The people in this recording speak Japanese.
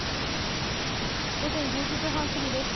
午前１１時半過ぎです。